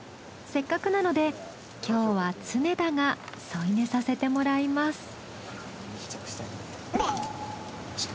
せっかくなので今日は常田が添い寝させてもらいます。